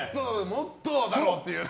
もっとだろっていう。